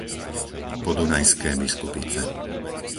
Podunajské Biskupice